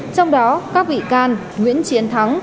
trong đó các bị can nguyễn chiến thắng